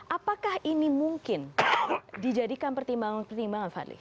apakah ini mungkin dijadikan pertimbangan fadli